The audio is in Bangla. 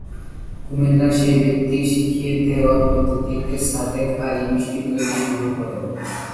কুমিল্লার সেই ব্যক্তির শিখিয়ে দেওয়া পদ্ধতিতে সাদেক আলী মিষ্টি তৈরি শুরু করেন।